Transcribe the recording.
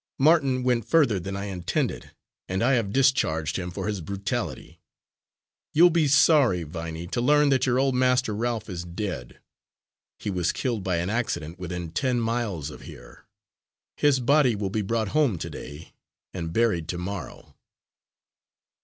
Martin went further than I intended, and I have discharged him for his brutality. You'll be sorry, Viney, to learn that your old Master Ralph is dead; he was killed by an accident within ten miles of here. His body will be brought home to day and buried to morrow."